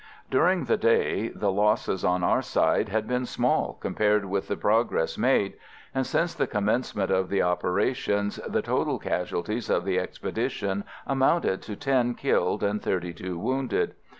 During the day the losses on our side had been small compared with the progress made; and since the commencement of the operations the total casualties of the expedition amounted to ten killed and thirty two wounded.